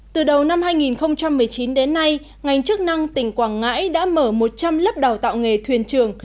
từ đầu năm hai nghìn một mươi chín đến nay ngành chức năng tỉnh quảng ngãi đã mở một trăm linh lớp đào tạo nghề thuyền trường